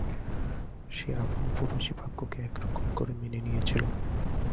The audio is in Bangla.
সে আপন উপবাসী ভাগ্যকে একরকম করে মেনে নিয়েছিল।